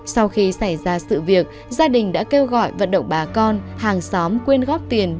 sau khi xảy ra sự việc gia đình đã kêu gọi vận động bà con hàng xóm quyên góp tiền